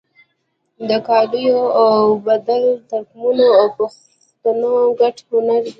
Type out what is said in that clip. د قالیو اوبدل د ترکمنو او پښتنو ګډ هنر دی.